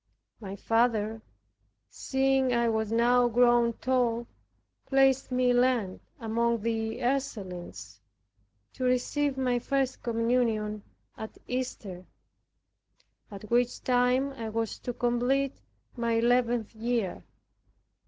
My father, seeing I was now grown tall, placed me in Lent among the Ursulines, to receive my first communion at Easter, at which time I was to complete my eleventh year.